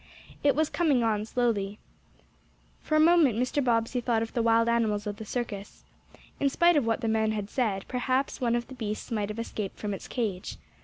It was coming on slowly. For a moment Mr. Bobbsey thought of the wild animals of the circus. In spite of what the men had said perhaps one of the beasts might have escaped from its cage.